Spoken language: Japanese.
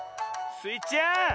スイちゃん！